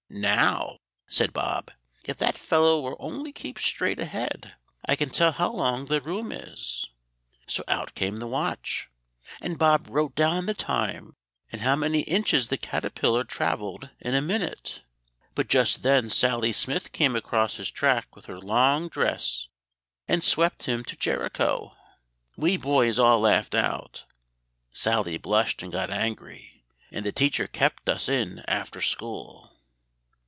'Now,' said Bob, 'if that fellow will only keep straight ahead, I can tell how long the room is.' So out came the watch, and Bob wrote down the time and how many inches the caterpillar travelled in a minute. But just then Sally Smith came across his track with her long dress, and swept him to Jericho. We boys all laughed out; Sally blushed and got angry; and the teacher kept us in after school."